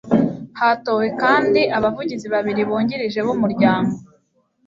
hatowe kandi abavugizi babiri bungirije b'umuryango